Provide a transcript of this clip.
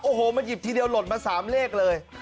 โอ้โหมาหยิบทีเดียวหลดมา๓เลขเลย